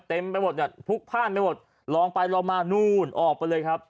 เต็มไปหมดเนี่ยพลุกพ่านไปหมดลองไปลองมานู่นออกไปเลยครับ